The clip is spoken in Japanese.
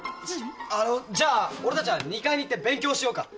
あのじゃあ俺たちは２階に行って勉強しようか。